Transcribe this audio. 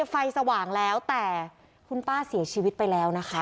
สว่างแล้วแต่คุณป้าเสียชีวิตไปแล้วนะคะ